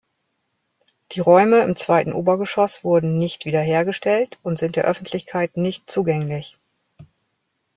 Die Räume im zweiten Obergeschoss wurden nicht wiederhergestellt und sind der Öffentlichkeit nicht zugänglich.